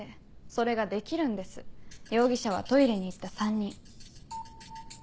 それができるんです容疑者はトイレに行った３人。